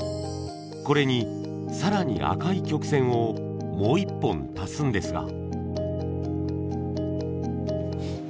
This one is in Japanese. これに更に赤い曲線をもう一本足すんですが。